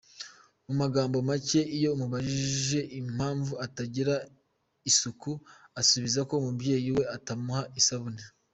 Mu magambo make iyo umubajije impamvu atagira isuku, asubiza ko umubyeyi we atamuha isabune.